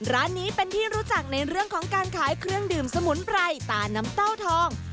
ร้านนี้เป็นที่รู้จักในเรื่องของการขายเครื่องดื่มสมุนไพรตาน้ำเต้าทอง